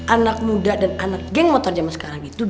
anak muda dan anak geng motor zaman sekarang itu